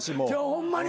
ホンマに。